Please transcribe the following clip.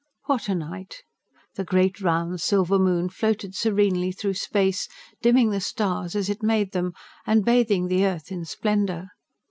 What a night! The great round silver moon floated serenely through space, dimming the stars as it made them, and bathing the earth in splendour.